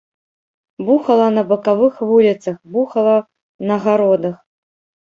Бухала на бакавых вуліцах, бухала на гародах.